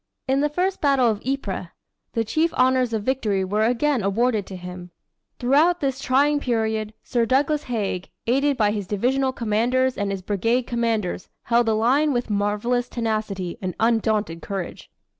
In the first battle of Ypres, the chief honors of victory were again awarded to him: "Throughout this trying period, Sir Douglas Haig, aided by his divisional commanders and his brigade commanders, held the line with marvelous tenacity and undaunted courage."